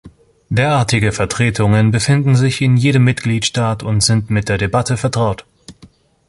Derartige Vertretungen befinden sich in jedem Mitgliedstaat und sind mit der Debatte vertraut.